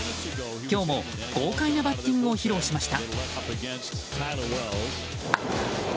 今日も豪快なバッティングを披露しました。